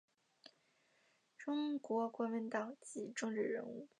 中国国民党籍政治人物。